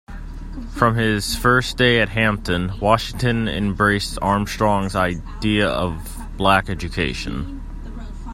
From his first day at Hampton, Washington embraced Armstrong's idea of black education.